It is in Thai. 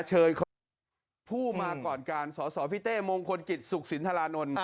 เชิญภูมิผู้มาก่อนกาลสรพิเตร์มงคลตริตสุขสินทรานนล